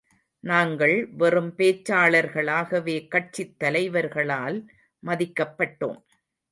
நாங்கள் வெறும் பேச்சாளர்களாகவே கட்சித் தலைவர்களால் மதிக்கப்பட்டோம்.